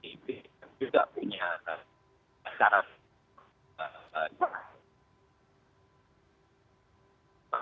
ini salah satu halnya kebanyakan akademik ini